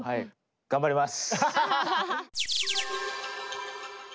頑張ります！